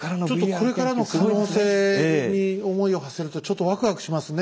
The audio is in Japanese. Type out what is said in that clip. ちょっとこれからの可能性に思いをはせるとちょっとわくわくしますね。